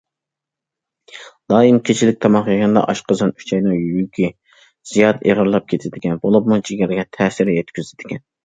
دائىم كېچىلىك تاماق يېگەندە، ئاشقازان، ئۈچەينىڭ يۈكى زىيادە ئېغىرلاپ كېتىدىكەن، بولۇپمۇ جىگەرگە تەسىر يەتكۈزىدىكەن.